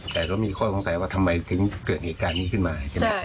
แต่ก็มีข้อสงสัยว่าทำไมถึงเกิดเหตุการณ์นี้ขึ้นมาใช่ไหม